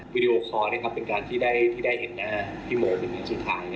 วิดีโอคอร์เป็นการที่ได้เห็นหน้าพี่โมเป็นครั้งสุดท้าย